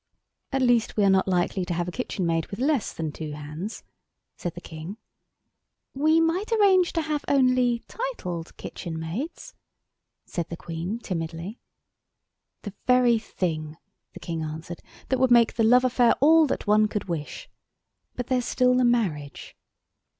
"At least we are not likely to have a kitchen maid with less than two hands," said the King. "We might arrange only to have titled kitchen maids," said the Queen timidly. "The very thing," the King answered: "that would make the love affair all that one could wish. But there's still the marriage."